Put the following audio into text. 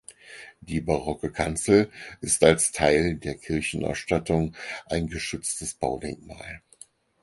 Die barocke Kanzel ist als Teil der Kirchenausstattung ein geschütztes Baudenkmal.